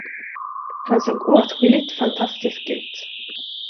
Han såg åtskilligt fantastisk ut.